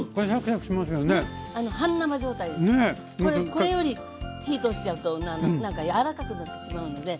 これより火通しちゃうとなんかやわらかくなってしまうので。